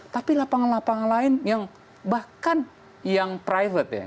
tapi lapangan lapangan lain yang bahkan yang private ya